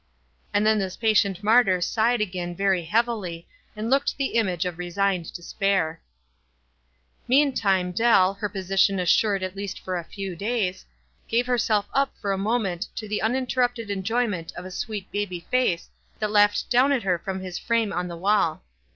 And then this patient martyr sighed again very heavily, and looked the image of resigned despair. Meantime Dell — her position assured at least for a few clays — gave herself up for a moment to the uninterrupted enjoyment of a sweet baby face that laughed down at her from his frame on the wall.